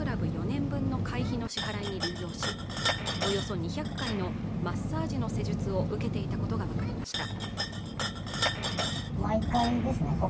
４年分の会費の支払いに流用しおよそ２００回のマッサージの施術を受けていたことが分かりました